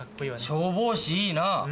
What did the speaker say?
消防士いいなぁ！